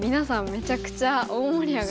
めちゃくちゃ大盛り上がりでしたよね。